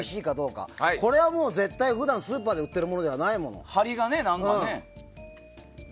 これはもう絶対、普段スーパーで売ってるものじゃないもん。